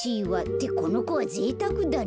ってこのこはぜいたくだなあ。